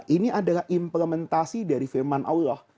ini adalah implementasi dari firman allah